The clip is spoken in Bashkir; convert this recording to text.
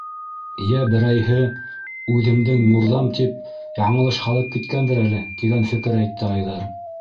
- Йә берәйһе, үҙемдең мурҙам тип, яңылыш һалып киткәндер әле, -тигән фекер әйтте Айҙар.